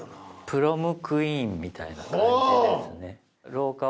プロムクイーンみたいな感じですね。